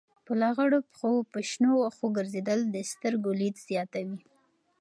د پښو په لغړو په شنو وښو ګرځېدل د سترګو لید زیاتوي.